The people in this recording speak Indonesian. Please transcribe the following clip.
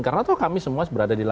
karena kami semua berada di sana